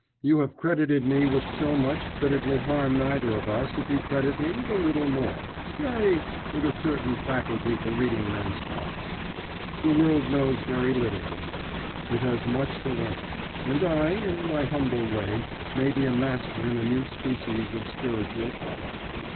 You have credited me with so much that it will harm neither of us if you credit me with a little more say, with a certain faculty for reading men's thoughts. The world knows very little as yet; it has much to learn; and I, in my humble way, may be a master in a new species of spiritual power.